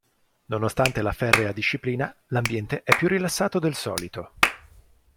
Nonostante la ferrea disciplina, l'ambiente è più rilassato del solito.